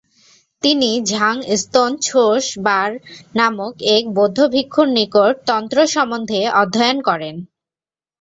তিনি ঝাং-স্তোন-ছোস-'বার নামক এক বৌদ্ধভিক্ষুর নিকট তন্ত্র সম্বন্ধে অধ্যয়ন করেন।